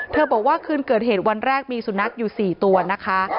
บอกว่าคืนเกิดเหตุวันแรกมีสุนัขอยู่๔ตัวนะคะ